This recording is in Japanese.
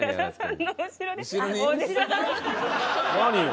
何よ。